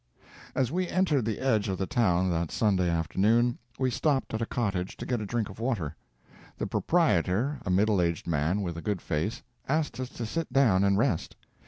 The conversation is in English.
As we entered the edge of the town that Sunday afternoon, we stopped at a cottage to get a drink of water. The proprietor, a middle aged man with a good face, asked us to sit down and rest.